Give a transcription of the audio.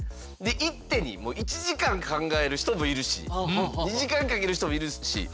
一手に１時間考える人もいるし２時間かける人もいるし。